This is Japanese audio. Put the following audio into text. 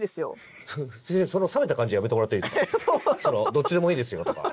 どっちでもいいですよとか。